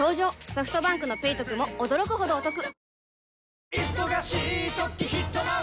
ソフトバンクの「ペイトク」も驚くほどおトク